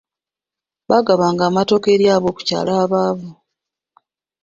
Baagabanga amatooke eri ab’okukyalo abaavu.